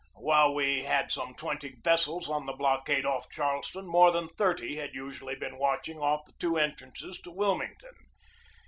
While we had some twenty vessels on the blockade off Charleston, more than thirty had usually been watching off the two entrances to Wil mington.